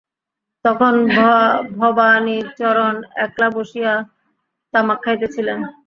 তখন ভবানীচরণ একলা বসিয়া তামাক খাইতেছিলেন।